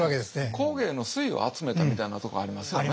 工芸の粋を集めたみたいなとこはありますよね。